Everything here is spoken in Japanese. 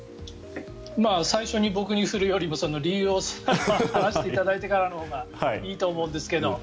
最初に僕に振るよりも理由を話していただいてからのほうがいいと思うんですけど。